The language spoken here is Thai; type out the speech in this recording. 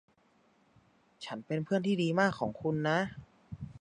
ฉันเป็นเพื่อนที่ดีมากของคุณนะ